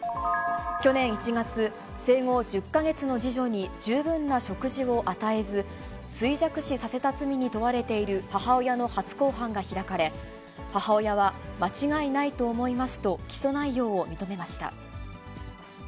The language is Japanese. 去年１月、生後１０か月の次女に十分な食事を与えず、衰弱死させた罪に問われている母親の初公判が開かれ、母親は間違いないと思いますと起訴内容を認めました。